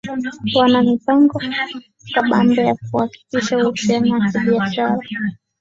wana mipango kabambe ya kuhakikisha uhusiano wa kibiashara